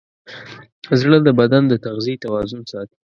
زړه د بدن د تغذیې توازن ساتي.